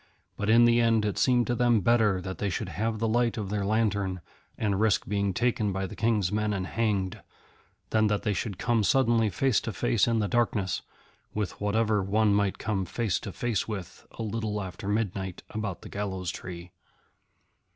But in the end it seemed to them better that they should have the light of their lantern, and risk being taken by the King's men and hanged, than that they should come suddenly face to face in the darkness with whatever one might come face to face with a little after midnight about the Gallows Tree.